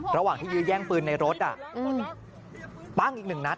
ระหว่างที่ยิงแย่งปืนในรถน่ะปลั่งอีกหนึ่งนั๊ต